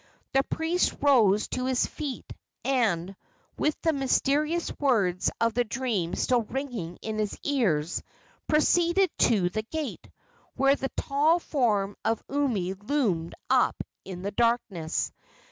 The priest rose to his feet, and, with the mysterious words of the dream still ringing in his ears, proceeded to the gate, where the tall form of Umi loomed up in the darkness.